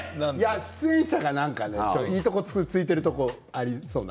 出演者がいいとこをついてるところ、ありそうな。